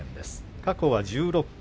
過去は１６回。